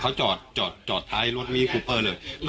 เขาจอดท้ายรถมิคูเปอร์เลย